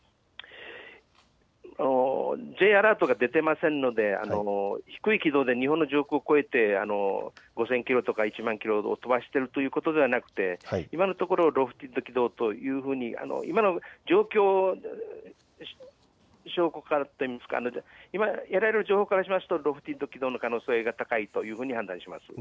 Ｊアラートが出ていませんので低い軌道で日本の上空を超えて５０００キロとか１万キロ、飛ばしているということではなくて今のところロフテッド軌道というところ、今の状況から、今得られる情報からしますとロフテッド軌道の可能性が高いと判断します。